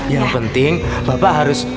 yang penting bapak harus